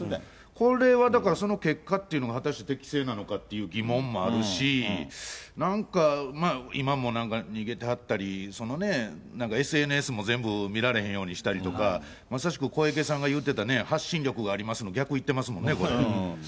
これはだから、結果っていうのが、果たして適正なのかっていう疑問もあるし、なんかまあ、今もなんか逃げてはったり、なんかＳＮＳも全部見られへんようにしたりとか、まさしく小池さんが言ってた、発信力がありますの逆いってますもんね、これ。